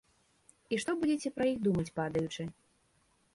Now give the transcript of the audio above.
І што будзеце пра іх думаць падаючы?